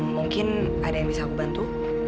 mungkin ada yang bisa aku bantu